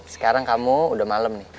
sekarang kamu udah malam nih